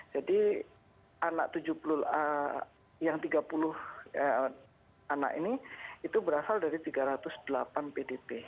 jadi anak tujuh puluh yang tiga puluh anak ini itu berasal dari tiga ratus delapan pdp